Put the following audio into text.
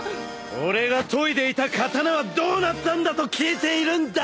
俺が研いでいた刀はどうなったんだと聞いているんだ！